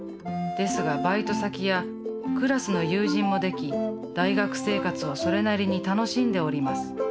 ですがバイト先やクラスの友人もでき大学生活をそれなりに楽しんでおります。